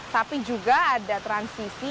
tapi juga ada transisi gaya kemimpinan